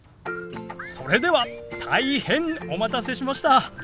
それでは大変お待たせしました。